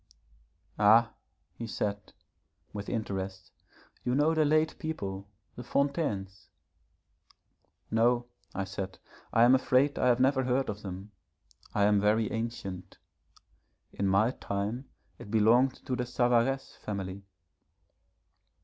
'Ah,' he said, with interest, 'you know the late people, the Fontaines.' 'No,' I said, 'I am afraid I have never heard of them. I am very ancient. In my time it belonged to the Savaresse family.'